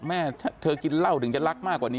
แม่เธอกินเหล้าถึงจะรักมากกว่านี้